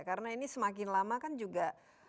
karena ini semakin lama kan juga